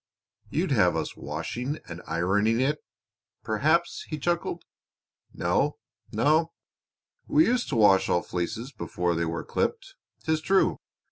"You'd have us washing and ironing it, perhaps," he chuckled. "No, no! We used to wash all fleeces before they were clipped, 'tis true.